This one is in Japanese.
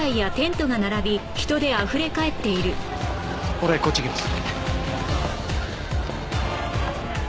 俺こっち行きます。